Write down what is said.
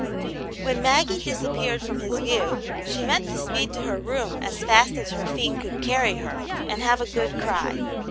When Maggie disappeared from his view she meant to speed to her room as fast as her feet could carry her, and have a good cry.